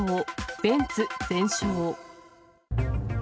ベンツ全焼。